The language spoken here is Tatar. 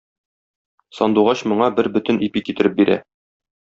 Сандугач моңа бер бөтен ипи китереп бирә.